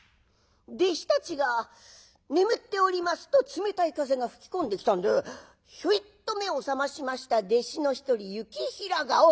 弟子たちが眠っておりますと冷たい風が吹き込んできたんでひょいっと目を覚ましました弟子の一人行平が。